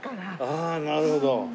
ああなるほど。